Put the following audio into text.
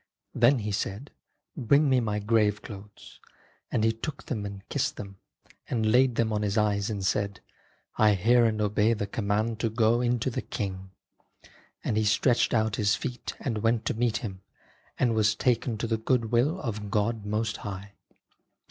Then he said, ' Bring me my grave clothes,' and he took them and kissed them, and laid them on his eyes and said, ' I hear and obey the command to go into the King.' And he stretched out his feet and went to meet Him and was taken to the good will of God Most High."